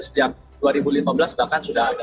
sejak dua ribu lima belas bahkan sudah ada